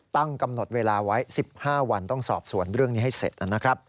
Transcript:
กำหนดเวลาไว้๑๕วันต้องสอบสวนเรื่องนี้ให้เสร็จนะครับ